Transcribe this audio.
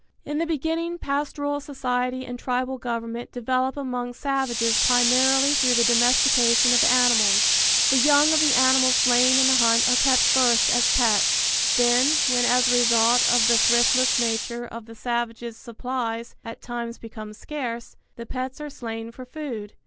In the beginning pastoral society and tribal government develop among savages primarily through the domestication of animals. The young of the animals slain in the hunt are kept first as pets: then, when as a result of the thriftless nature of the savages supplies at times become scarce, the pets are slain for food.